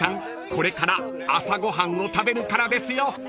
これから朝ご飯を食べるからですよ］